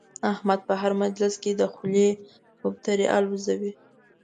احمد په هر مجلس کې د خولې کوترې اولوزوي.